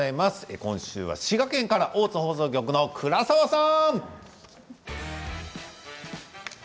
今週の中継は滋賀県から大津放送局の倉沢さん。